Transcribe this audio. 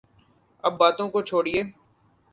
ان باتوں کو چھوڑئیے۔